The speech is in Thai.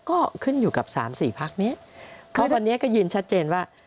ก็ขึ้นอยู่กับสามสี่พักนี้เพราะวันนี้ก็ยืนชัดเจนว่า